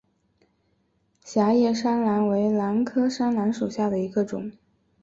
狭叶山兰为兰科山兰属下的一个种。